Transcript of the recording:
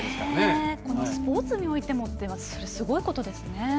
このスポーツにおいてもそれはすごいことですね。